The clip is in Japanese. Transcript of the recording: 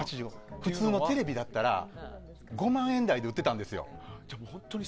普通のテレビだったら５万円台で売っていたんですよ。